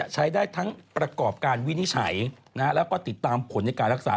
ใช้ได้ทั้งประกอบการวินิจฉัยแล้วก็ติดตามผลในการรักษา